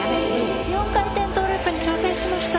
４回転トーループに挑戦しました。